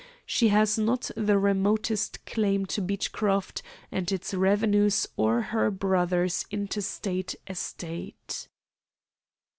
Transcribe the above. She has not the remotest claim to Beechcroft and its revenues or to her brother's intestate estate."